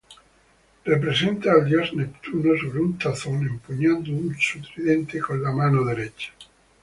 Representa al dios Neptuno sobre un tazón, empuñando su tridente con la mano derecha.